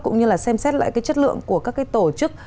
cũng như là xem xét lại cái chất lượng của các cái tổ chức